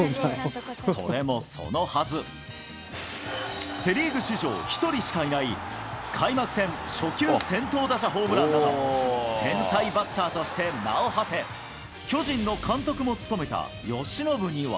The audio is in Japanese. それもそのはず、セ・リーグ史上１人しかいない、開幕戦初球先頭打者ホームランなど、天才バッターとして名をはせ、巨人の監督も務めた由伸には。